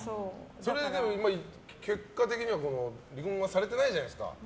結果的には離婚はされてないじゃないですか。